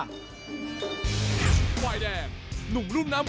กลิ่นกล้านคอตลาด